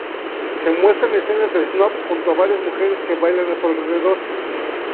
Se muestran escenas de Snoop junto a varias mujeres que bailan a su alrededor.